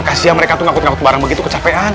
kasihan mereka tuh ngikut ngikut bareng begitu kecapean